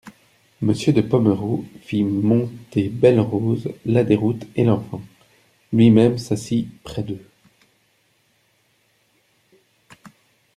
Monsieur de Pomereux fit monter Belle-Rose, la Déroute et l'enfant ; lui-même s'assit près d'eux.